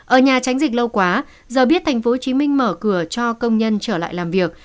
ở nhà tránh dịch lâu quá giờ biết tp hcm mở cửa cho công nhân trở lại làm việc